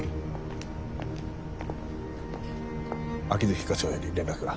秋月課長より連絡が。